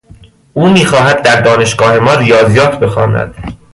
او میخواهد در دانشگاه ما ریاضیات بخواند.